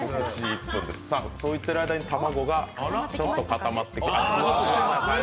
そういってる間に卵がちょっと固まってきた。